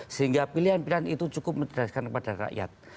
sehingga pilihan pilihan itu cukup mencerdaskan kepada rakyat